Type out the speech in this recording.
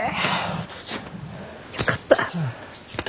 お父ちゃん。よかった！